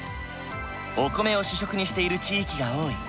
お米を主食にしている地域が多い。